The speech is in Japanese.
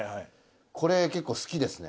これ結構好きですね。